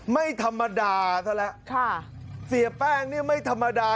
ไม่ธรรมดาเสียแป้งนี่ไม่ธรรมดา